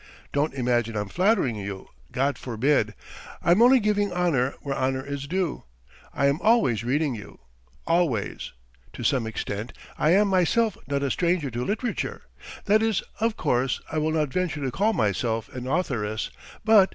... Don't imagine I'm flattering you God forbid! I'm only giving honour where honour is due. ... I am always reading you ... always! To some extent I am myself not a stranger to literature that is, of course ... I will not venture to call myself an authoress, but